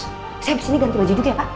saya habis ini ganti baju juga ya pak